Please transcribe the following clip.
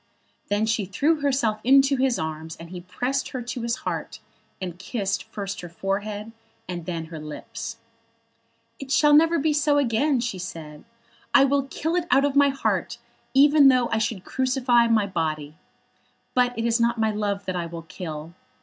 Then she threw herself into his arms, and he pressed her to his heart, and kissed first her forehead and then her lips. "It shall never be so again," she said. "I will kill it out of my heart even though I should crucify my body. But it is not my love that I will kill.